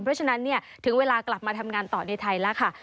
เพราะฉะนั้นถึงเวลากลับมาทำงานต่อในไทยแล้วค่ะ